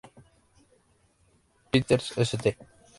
Peter's, St.